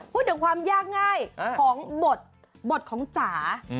พูดถึงความยากง่ายของบทบทของจ๋า